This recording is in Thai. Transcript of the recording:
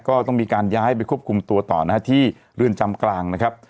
ก็ต้องมีการย้ายไปควบคุมตัวต่อนะฮะที่เรือนจำกลางนะครับ